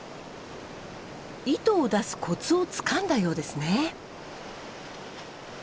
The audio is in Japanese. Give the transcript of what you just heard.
糸を出すコツをつかんだようですね。